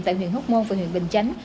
tại huyện hốc môn và huyện bình chánh